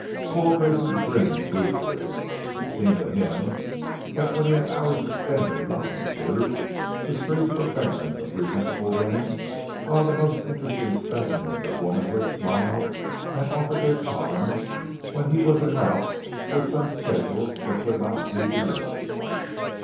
Paul Grayson grinned ruefully. It seemed to him that when he had hours to spend and nothing to do, the streets were barren of presentable women while the most interesting specimens of womanhood smiled and offered their charms when he was en route towards some schedule that could not be delayed.